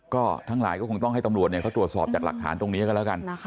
ก็ทั้งหลายก็คงต้องให้ตำรวจเขาตรวจสอบจากหลักฐานตรงนี้กันแล้วกัน